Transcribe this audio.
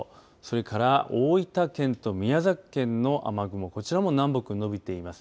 それから大分県と宮崎県の雨雲、こちらも南北に延びています。